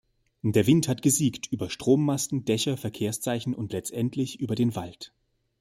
Der Wind hat gesiegt über Strommasten, Dächer, Verkehrszeichen und letztendlich über den Wald.